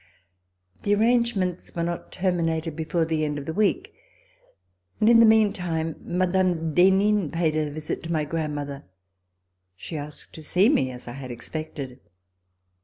The arrangements were not terminated before the end of the week, and in the meantime Mme. d'Henin paid a visit to my grandmother. She asked to see me, as I had expected.